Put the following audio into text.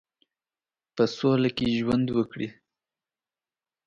په سوله کې ژوند وکړي.